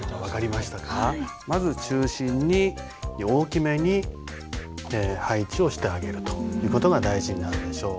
まず中心に大きめに配置をしてあげるという事が大事になるでしょう。